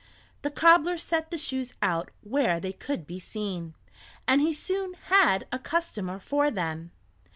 The cobbler set the shoes out where they could be seen, and he soon had a customer for them.